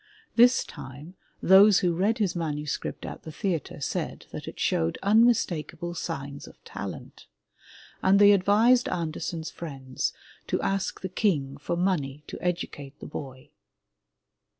This time those who read his manuscript at the theatre said that it showed unmistakable signs of talent, and they advised Andersen's friends to ask the King for money to educate the boy.